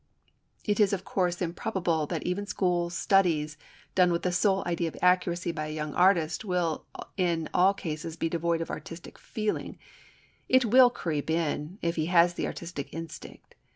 It is of course improbable that even school studies done with the sole idea of accuracy by a young artist will in all cases be devoid of artistic feeling; it will creep in, if he has the artistic instinct.